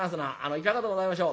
いかがでございましょう。